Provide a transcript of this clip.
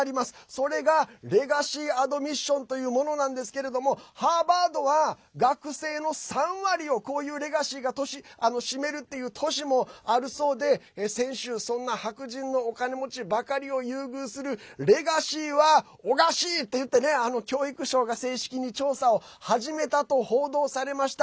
それがレガシーアドミッションというものなんですけどハーバードは学生の３割をこういうレガシーが占めるっていう年もあるそうで先週、そんな白人のお金持ちばかりを優遇するレガシーはオガシーっていって教育省が正式に調査を始めたと報道されました。